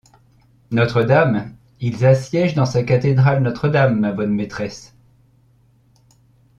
Notre-Dame ! ils assiègent dans sa cathédrale Notre-Dame, ma bonne maîtresse !